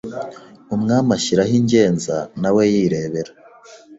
Umwami ashyiraho ingenza, na we yirebera.